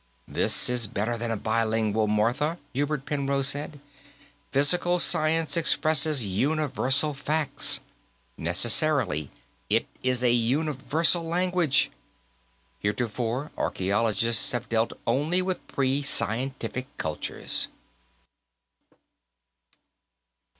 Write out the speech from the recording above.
"This is better than a bilingual, Martha," Hubert Penrose said. "Physical science expresses universal facts; necessarily it is a universal language. Heretofore archaeologists have dealt only with pre scientific cultures."